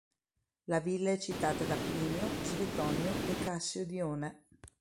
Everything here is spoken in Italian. La villa è citata da Plinio, Svetonio e Cassio Dione.